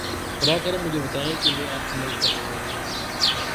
براہ کرم مجھے بتائیں تاکہ میں آپ کی مدد کر سکوں۔